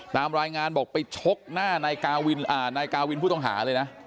ตามรายงานบอกไปชกหน้านายกาวินผู้ต้องหาเลยนะ